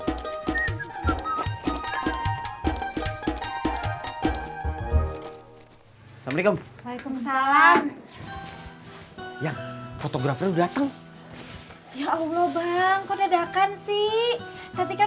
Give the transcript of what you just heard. assalamualaikum waalaikumsalam yang fotografer datang ya allah bang kau dadakan sih tapi kan